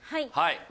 はい。